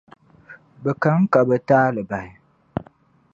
Bɛ ka n-ka bɛ taali bahi.